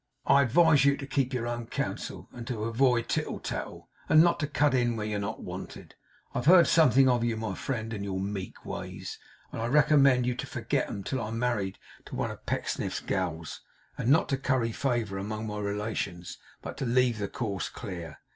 'I advise you to keep your own counsel, and to avoid title tattle, and not to cut in where you're not wanted. I've heard something of you, my friend, and your meek ways; and I recommend you to forget 'em till I am married to one of Pecksniff's gals, and not to curry favour among my relations, but to leave the course clear.